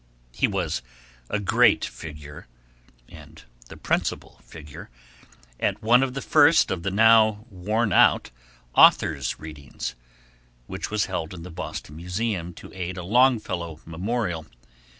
He was a great figure, and the principal figure, at one of the first of the now worn out Authors' Readings, which was held in the Boston Museum to aid a Longfellow memorial.